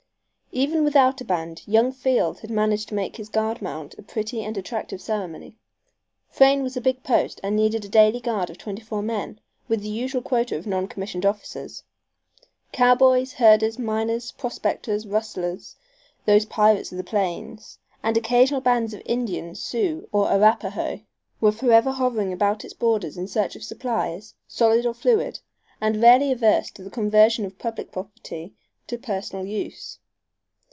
Even without a band young Field had managed to make his guard mount a pretty and attractive ceremony. Frayne was a big post and needed a daily guard of twenty four men, with the usual quota of non commissioned officers. Cowboys, herders, miners, prospectors, rustlers (those pirates of the plains) and occasional bands of Indians, Sioux or Arapahoe, were forever hovering about its borders in search of supplies, solid or fluid, and rarely averse to the conversion of public property to personal use.